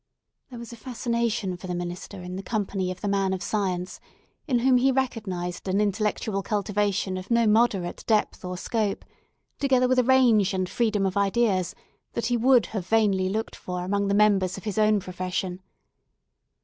There was a fascination for the minister in the company of the man of science, in whom he recognised an intellectual cultivation of no moderate depth or scope; together with a range and freedom of ideas, that he would have vainly looked for among the members of his own profession.